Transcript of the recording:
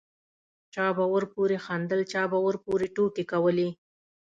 چا به ورپورې خندل چا به ورپورې ټوکې کولې.